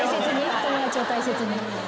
友達を大切に。